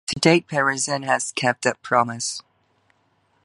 To date Parisen has kept that promise.